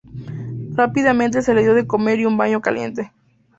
Rápidamente se le dio de comer y un baño caliente.